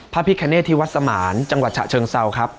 พระพิคเนตที่วัดสมานจังหวัดฉะเชิงเซาครับ